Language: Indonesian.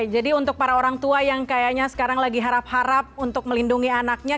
jadi untuk para orang tua yang kayaknya sekarang lagi harap harap untuk melindungi anaknya